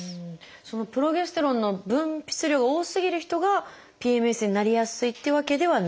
そのプロゲステロンの分泌量が多すぎる人がＰＭＳになりやすいっていうわけではないんですか？